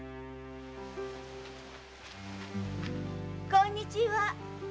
・こんにちは！